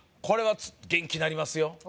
これは元気になりますよ